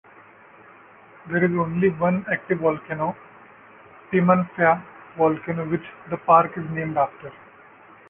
There is only one active volcano, Timanfaya volcano which the park is named after.